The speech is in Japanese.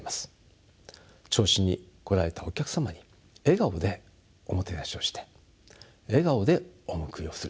銚子に来られたお客様に笑顔でおもてなしをして笑顔でお見送りをする。